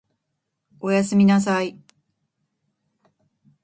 お休みなさい